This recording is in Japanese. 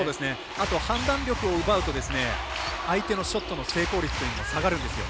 あと判断力を奪うと相手のショットの成功率も下がるんですよ。